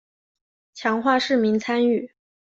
强化市民参与